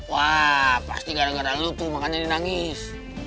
wah pasti gara gara lo tuh makanya dia nangis